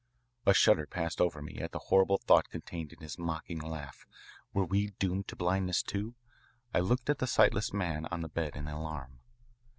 A shudder passed over me at the horrible thought contained in his mocking laugh. Were we doomed to blindness, too? I looked at the sightless man on the bed in alarm.